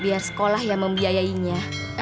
biar sekolah yang membiayainya